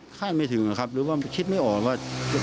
ไม่ถึงนะครับหรือว่าคิดไม่ออกว่า